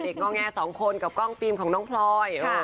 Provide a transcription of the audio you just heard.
เด็กงอกแงะสองคนกับกล้องปรีมของน้องพลอย